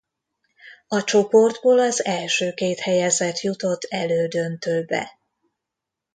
A csoportból az első két helyezett jutott elődöntőbe.